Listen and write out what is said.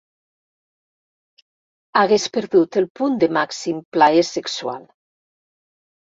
Hagués perdut el punt de màxim plaer sexual.